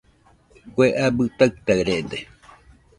Kue abɨ taɨtaɨrede